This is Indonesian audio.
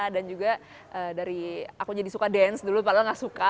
dan juga dari aku jadi suka dance dulu padahal gak suka